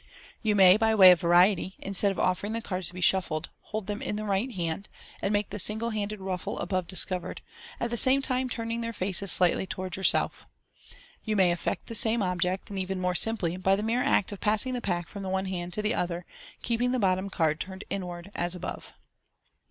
You may, by way of variety, instead of offering the cards to be shuffled, hold them in the right hand, and make the single handed " ruffle " above described, at the same time turning their faces slightly towards yourself. You may effect the same object, even more simply, by the mere act of passing the pack from the one hand to the other, keeping the bottom card turned inwards as above.